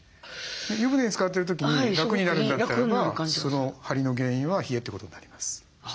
湯船につかってる時に楽になるんだったらばその張りの原因は冷えってことになります。